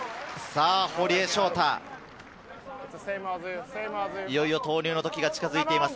堀江翔太、いよいよ投入の時が近づいています。